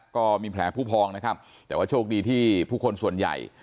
ก็มีแผลผู้พองนะครับแต่ว่าโชคดีที่ผู้คนส่วนใหญ่